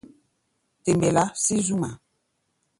Te mbelá sí zú ŋmaa.